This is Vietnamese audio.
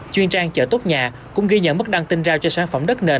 chuyên trang chợ tốt nhà cũng ghi nhận mức đăng tin ra cho sản phẩm đất nền